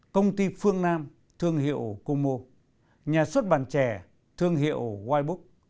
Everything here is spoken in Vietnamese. công ty phương nam thương hiệu como nhà xuất bản trẻ thương hiệu wibook